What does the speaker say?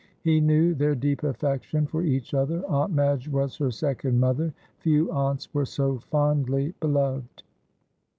He knew their deep affection for each other. Aunt Madge was her second mother; few aunts were so fondly beloved.